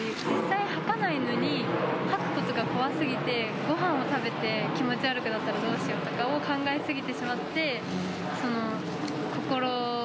実際、はかないのに、吐くことが怖すぎて、ごはんを食べて、気持ち悪くなったらどうしようとかを考え過ぎてしまって、心、